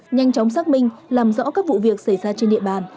nhanh chóng xác minh làm rõ các vụ việc xảy ra trên địa bàn